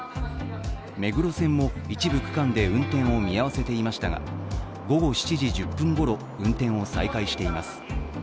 目黒線も一部区間で運転を見合わせていましたが午後７時１０分ごろ、運転を再開しています。